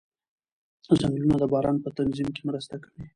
ځنګلونه د باران په تنظیم کې مرسته کوي